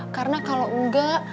karena kalau enggak